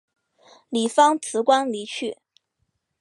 李芳辞官离去。